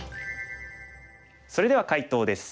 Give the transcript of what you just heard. それでは解答です。